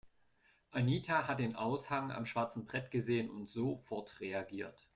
Anita hat den Aushang am schwarzen Brett gesehen und sofort reagiert.